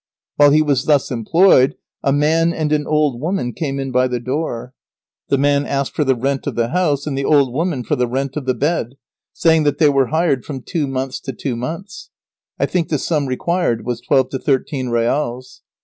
While he was thus employed a man and an old woman came in by the door. The man asked for the rent of the house, and the old woman for the rent of the bed, saying that they were hired from two months to two months. I think the sum required was twelve to thirteen reals.